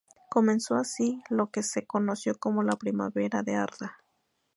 Comenzó así lo que se conoció como la Primavera de Arda.